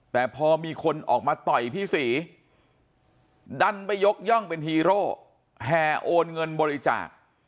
แต่พอมีคนออกมาต่อยพี่ศรีดันไปยกย่องเป็นฮีโร่แห่โอนเงินบริจาค